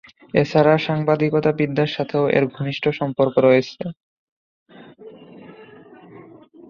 এছাড়া সাংবাদিকতা বিদ্যার সাথেও এর ঘনিষ্ঠ সম্পর্ক আছে।